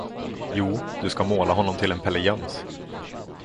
Jo du ska måla honom till en Pelle Jöns.